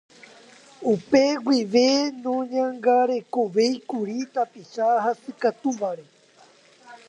Upe guive noñangarekovéikuri tapicha hasykatuváre.